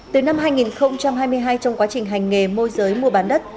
từ năm hai nghìn hai mươi hai trong quá trình hành nghề môi giới mua bán đất